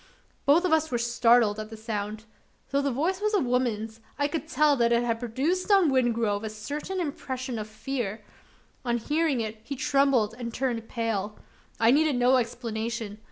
Both of us were startled at the sound. Though the voice was a woman's, I could see that it had produced on Wingrove a certain impression of fear. On hearing it, he trembled and turned pale. I needed no explanation.